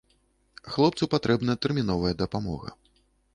Хлопцу патрэбна тэрміновая дапамога.